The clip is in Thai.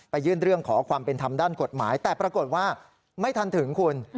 ยื่นเรื่องขอความเป็นธรรมด้านกฎหมายแต่ปรากฏว่าไม่ทันถึงคุณ